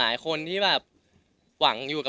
แล้วก็ทำไมเราเลยไม่ตัดสินใจโทรหา